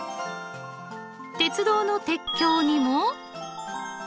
鉄道の鉄橋にも。